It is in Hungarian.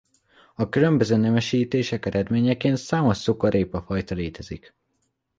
A különböző nemesítések eredményeként számos cukorrépa fajta létezik.